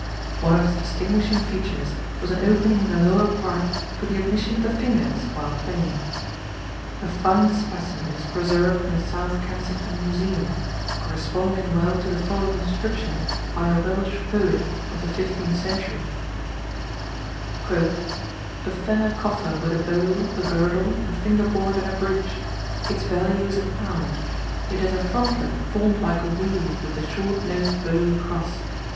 One of its distinguishing features was an opening in the lower part for the admission of the fingers while playing. A fine specimen is preserved in the South Kensington Museum, corresponding well to the following description by a Welsh poet of the fifteenth century: "A fair coffer with a bow, a girdle, a finger board and a bridge; its value is a pound; it has a frontlet formed like a wheel with the short nosed bow across.